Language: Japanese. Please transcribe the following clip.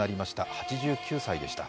８９歳でした。